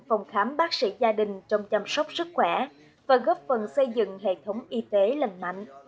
phòng khám bác sĩ gia đình trong chăm sóc sức khỏe và góp phần xây dựng hệ thống y tế lành mạnh